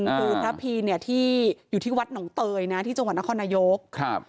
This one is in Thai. คือพระพีเนี่ยที่อยู่ที่วัดหนองเตยนะที่จังหวัดนครนายกครับ